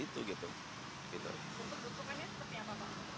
untuk dukungannya seperti apa pak